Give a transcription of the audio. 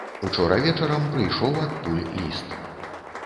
Учора вечарам прыйшоў адтуль ліст.